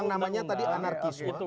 yang namanya tadi anarkis